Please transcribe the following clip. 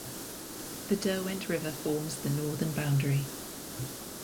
The Derwent River forms the northern boundary.